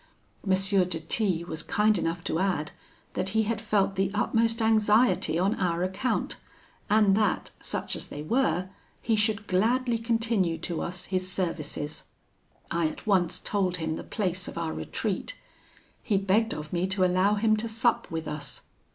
M. de T was kind enough to add, that he had felt the utmost anxiety on our account, and that, such as they were, he should gladly continue to us his services. I at once told him the place of our retreat. He begged of me to allow him to sup with us.